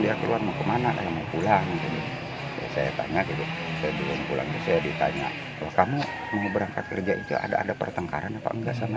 ditanya gitu saya ditanya kamu mau berangkat kerja itu ada ada pertengkaran apa enggak sama